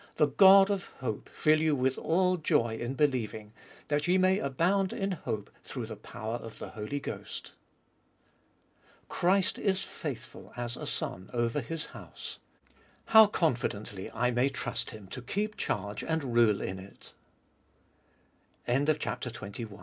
"The God of hope fill you with all joy In believing, that ye may abound In hope through the power of the Holy Ghost." 4. Christ is faithful as a Son over His house : how confidently I may trust Him to keep charge an